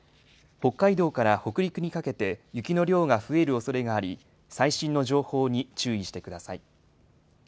北海道から北陸にかけて雪の量が増えるおそれがあり、最新の情報に注意してください。